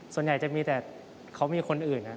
ส่วนใหญ่จะมีแต่เขามีคนอื่น